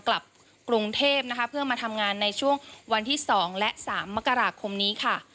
กลับกรุงเทพนะคะเพื่อมาทำงานในช่วงวันที่๒และ๓มกราคมนี้ค่ะ